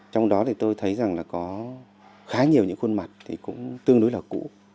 trong đó thì tôi thấy rằng là có khá nhiều những khuôn mặt thì cũng tương đối là cũ